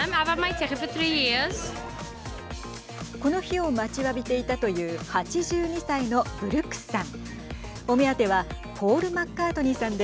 この日を待ちわびていたという８２歳のブルックスさん。